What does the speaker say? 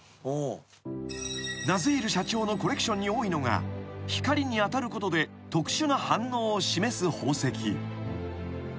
［ナズィール社長のコレクションに多いのが光に当たることで特殊な反応を示す宝石］